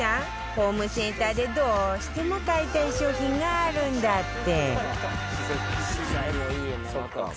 ホームセンターでどうしても買いたい商品があるんだって